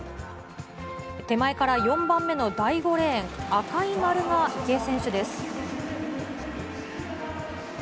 手前から４番目の第５レーン、赤い丸が池江選手です。